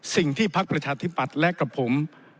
สิ่งที่พักประชาธิปัตย์และกับผม